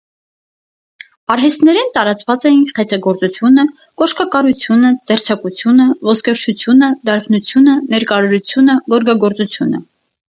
Արհեստներէն տարածուած էին խեցեգործութիւնը, կօշկակարութիւնը, դերձակութիւնը, ոսկերչութիւնը, դարբնութիւնը, ներկարարութիւնը, գորգագործութիւնը։